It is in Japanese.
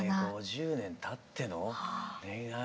５０年たっての恋愛？